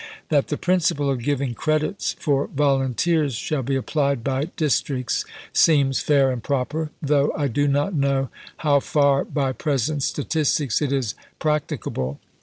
That the principle of giving credits for volunteers shall be applied by districts seems fair and proper, though I do not know how far by present statistics it is practi cable.